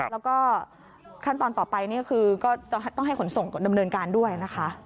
แล้วก็ขั้นตอนต่อไปนี่คือก็จะต้องให้ขนส่งดำเนินการด้วยนะคะ